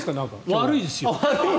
悪いですよ。